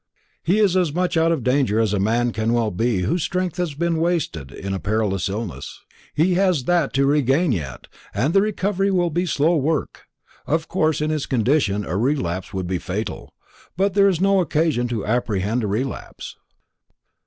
"He is as much out of danger as a man can well be whose strength has all been wasted in a perilous illness. He has that to regain yet, and the recovery will be slow work. Of course in his condition a relapse would be fatal; but there is no occasion to apprehend a relapse."